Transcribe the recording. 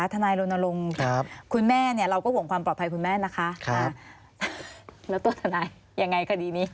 ทนายรณรงค์คุณแม่เนี่ยเราก็ห่วงความปลอดภัยคุณแม่นะคะแล้วตัวทนายยังไงคดีนี้